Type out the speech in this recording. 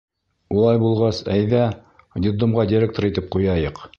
Улай булғас, әйҙә, детдомға директор итеп ҡуяйыҡ.